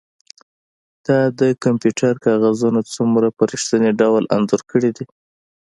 تا د کمپیوټر کاغذونه څومره په ریښتیني ډول انځور کړي دي